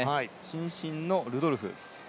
伸身のルドルフ。